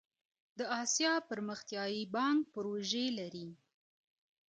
د اسیا پرمختیایی بانک پروژې لري